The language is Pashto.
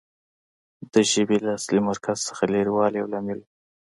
د ژبې له اصلي مرکز څخه لرې والی یو لامل و